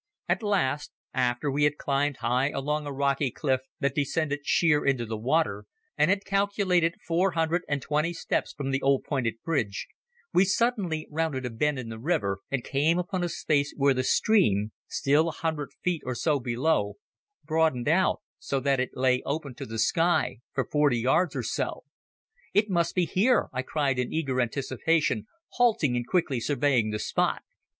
At last, after we had climbed high along a rocky cliff that descended sheer into the water, and had calculated four hundred and twenty steps from the old pointed bridge, we suddenly rounded a bend in the river and came upon a space where the stream, still a hundred feet or so below, broadened out, so that it lay open to the sky for forty yards or so. "It must be here!" I cried in eager anticipation, halting and quickly surveying the spot.